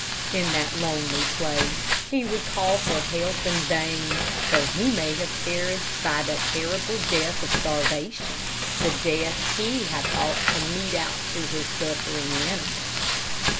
In that lonely place, he would call for help in vain, so he may have perished by the terrible death of starvation the death he had thought to mete out to his suffering animals.